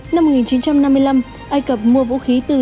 năm một nghìn chín trăm năm mươi năm ai cập mua vũ khí tấn công israel